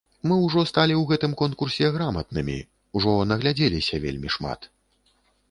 Мы ўжо сталі ў гэтым конкурсе граматнымі, ужо наглядзеліся вельмі шмат.